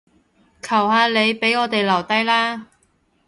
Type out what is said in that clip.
求下你，畀我哋留低啦